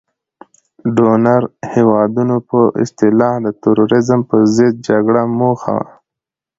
د ډونر هیوادونو په اصطلاح د تروریزم په ضد جګړه موخه وه.